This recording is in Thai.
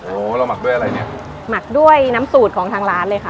โอ้โหเราหมักด้วยอะไรเนี้ยหมักด้วยน้ำสูตรของทางร้านเลยค่ะ